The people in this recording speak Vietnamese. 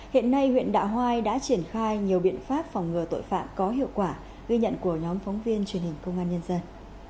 hiện nay huyện đạ hoai đã triển khai nhiều biện pháp phòng ngừa tội phạm có hiệu quả ghi nhận của nhóm phóng viên truyền hình công an nhân dân